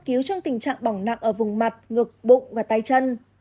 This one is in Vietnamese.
cứu trong tình trạng bỏng nặng ở vùng mặt ngực bụng và tay chân